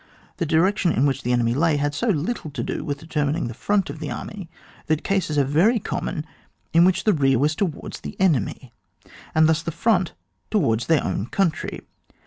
The direction in which the enemy lay had so little to do with determining the front of the army, that cases are very common in which the rear was towards the enemy and the front towards their own country.